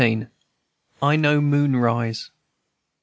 I KNOW MOON RISE.